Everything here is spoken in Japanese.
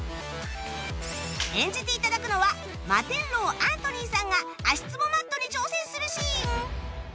演じていただくのはマテンロウアントニーさんが足つぼマットに挑戦するシーン